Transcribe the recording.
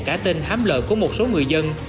cá tên hám lợi của một số người dân